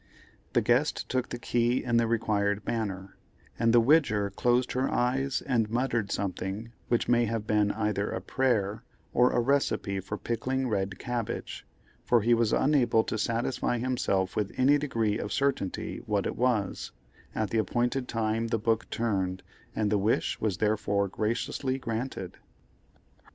The guest took the key in the required manner, and the Widger closed her eyes and muttered something which may have been either a prayer or a recipe for pickling red cabbage, for he was unable to satisfy himself with any degree of certainty what it was; at the appointed time the book turned and the wish was therefore graciously granted.